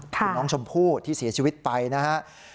คุณน้องชมพู่ที่เสียชีวิตไปนะครับ